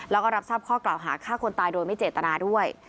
แล้วก็รับทราบข้อกล่าวหาฆ่าคนตายโดยไม่เจตนาด้วย